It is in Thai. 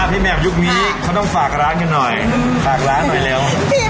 พี่แมมยุคนี้เขาต้องฝากร้านกันหน่อยฝากร้านหน่อยเร็ว